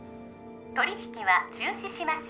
取引は中止します